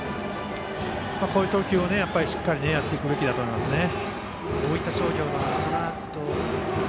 こういう投球をやっていくべきだと思いますね。